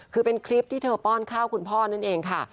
คือเป็นคลิปที่เธอป้อนข้าวคุณพ่อนั่นเองค่ะ